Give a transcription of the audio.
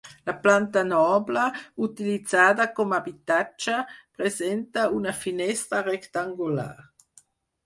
La planta noble, utilitzada com habitatge, presenta una finestra rectangular.